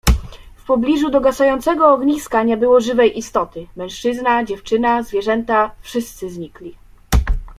"W pobliżu dogasającego ogniska nie było żywej istoty: mężczyzna, dziewczyna, zwierzęta wszyscy znikli."